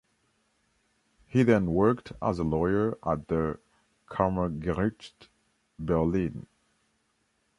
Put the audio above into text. He then worked as a lawyer at the "Kammergericht Berlin".